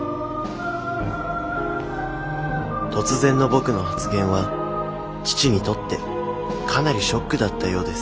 突然の僕の発言は父にとってかなりショックだったようです